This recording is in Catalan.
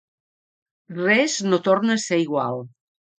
Res no torna a ser igual.